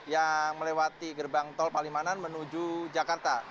yang melewati gerbang tol palimanan menuju jakarta